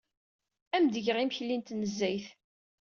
Ad am-d-geɣ imekli n tnezzayt.